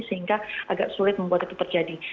sehingga agak sulit membuat itu terjadi